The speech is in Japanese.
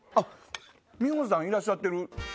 弥穂さんいらっしゃってる。